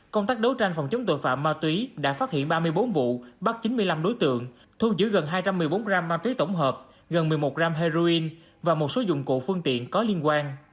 công tác đấu tranh phòng chống tội phạm ma túy đã phát hiện ba mươi bốn vụ bắt chín mươi năm đối tượng thu giữ gần hai trăm một mươi bốn gram ma túy tổng hợp gần một mươi một gram heroin và một số dụng cụ phương tiện có liên quan